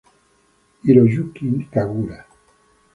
Hiroyuki Kagura